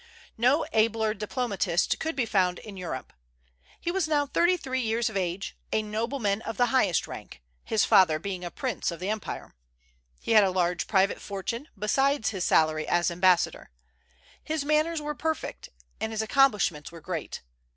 No abler diplomatist could be found in Europe. He was now thirty three years of age, a nobleman of the highest rank, his father being a prince of the empire. He had a large private fortune, besides his salary as ambassador. His manners were perfect, and his accomplishments were great.